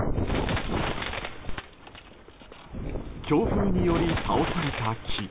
強風により倒された木。